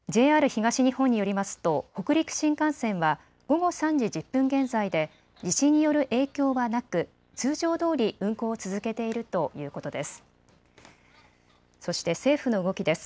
ＪＲ東日本によりますと北陸新幹線は午後３時１０分現在で地震による影響はなく通常どおり運行を続けているということです。